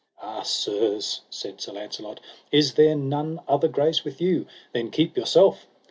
Ah sirs, said Sir Launcelot, is there none other grace with you? then keep yourself.